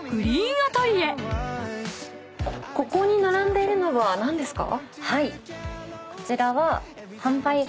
ここに並んでいるのは何ですか？